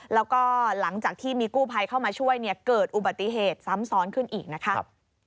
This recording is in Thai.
แล้วก็หลังจากที่มีกู้ภัยเข้ามาช่วยเนี่ยเกิดอุบัติเหตุซ้ำซ้อนขึ้นอีกนะคะ